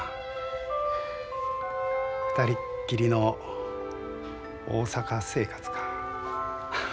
２人きりの大阪生活か。